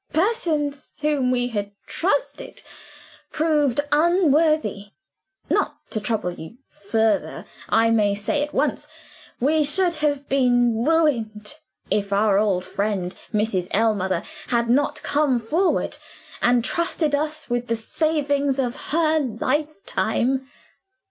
Persons whom we had trusted proved unworthy. Not to trouble you further, I may say at once, we should have been ruined, if our old friend Mrs. Ellmother had not come forward, and trusted us with the savings of her lifetime.